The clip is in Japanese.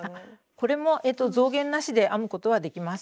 これも増減なしで編むことはできます。